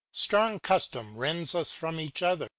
Strong custom rends us from each other.